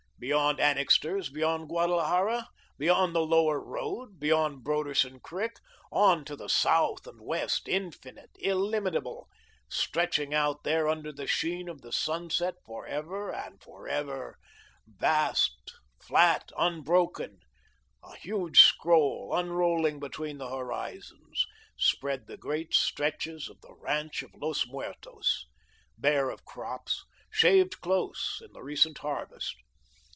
Beyond Annixter's, beyond Guadalajara, beyond the Lower Road, beyond Broderson Creek, on to the south and west, infinite, illimitable, stretching out there under the sheen of the sunset forever and forever, flat, vast, unbroken, a huge scroll, unrolling between the horizons, spread the great stretches of the ranch of Los Muertos, bare of crops, shaved close in the recent harvest.